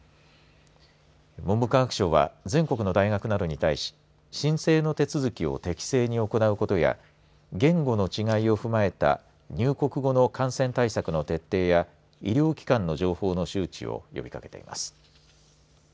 文部科学省は全国の大学などに対し申請の手続きを適正に行うことや言語の違いを踏まえた入国後の感染対策の徹底や医療機関の情報の周知を呼びかけています。